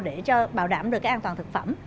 để bảo đảm được an toàn thực phẩm